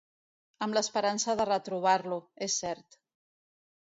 Amb l'esperança de retrobar-lo, és cert.